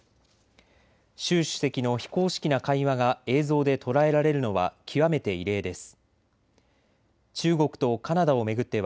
習主席の非公式な会話が映像で捉えられるのは極めて異例です。